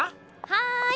はい！